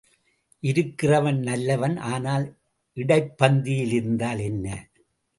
இருக்கிறவன் நல்லவன் ஆனால் இடைப்பந்தியில் இருந்தால் என்ன?